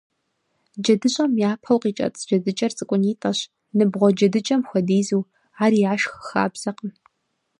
Джэдыщӏэм япэу къикӏэцӏ джэдыкӏэр цӏыкӏунитӏэщ, ныбгъуэ джэдыкӏэм хуэдизу, ар яшх хабзэкъым.